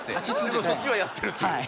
そっちはやってるという。